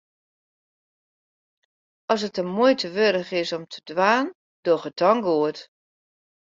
As it de muoite wurdich is om te dwaan, doch it dan goed.